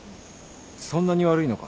そんなに悪いのか？